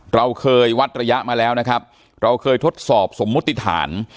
เราเคยวัดระยะมาแล้วนะครับเราเคยทดสอบสมมุติฐาน